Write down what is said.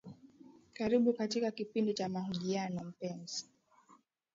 karibu katika kipindi cha mahojiano mpenzi